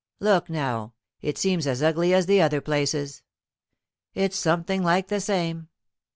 "Look now, it seems as ugly as the other places." "It's something like the same."